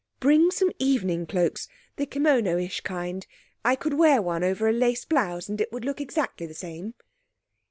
'Bring some evening cloaks the kimonoish kind I could wear one over a lace blouse; it would look exactly the same.'